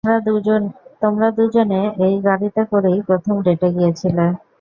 তোমরা দুজন এই গাড়িতে করেই প্রথম ডেটে গিয়েছিলে।